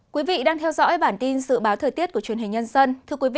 quý vị đang theo dõi bản tin dự báo thời tiết của truyền hình nhân dân